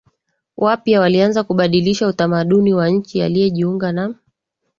wapya walianza kubadilisha utamaduni wa nchi Aliyejiunga na